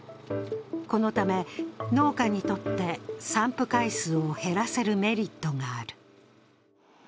このため農家にとって散布回数を減らせるメリットがある。